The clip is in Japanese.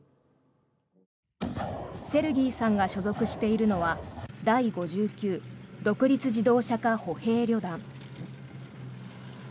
セルギーさんが所属しているのは第５９独立自動車化歩兵旅団。